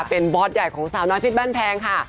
เป็นบอสใหญ่ของสาวน้อยเพชรบ้านแพงค่ะ